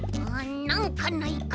なんかないかな。